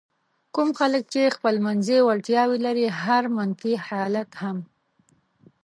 کوم خلک چې خپلمنځي وړتیاوې لري هر منفي حالت هم.